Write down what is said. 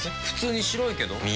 普通に白いけど。